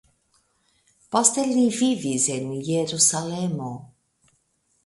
Poste li vivis en Jerusalemo.